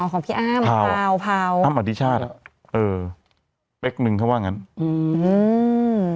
อ๋อของพี่อ้ามพาวอ้ามอดิชาติอ่ะเออเป็นแป๊บนึงถ้าว่างั้นอืม